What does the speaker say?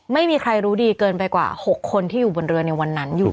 ไม่มีใครรู้ดีเกินไปกว่า๖คนที่อยู่บนเรือในวันนั้นอยู่